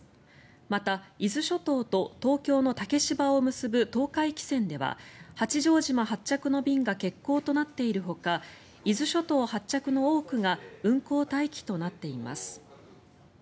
また、伊豆諸島と東京の竹芝を結ぶ東海汽船では八丈島発着の便が欠航となっているほか伊豆諸島発着の多くが運航待機となっています。